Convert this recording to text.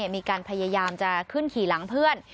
มีการพยายามจะขึ้นขี่หลังเพื่อน